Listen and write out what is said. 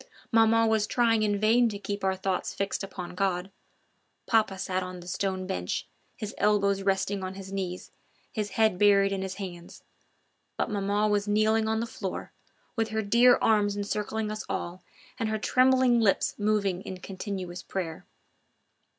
Maman was trying in vain to keep our thoughts fixed upon God papa sat on the stone bench, his elbows resting on his knees, his head buried in his hands; but maman was kneeling on the floor, with her dear arms encircling us all and her trembling lips moving in continuous prayer.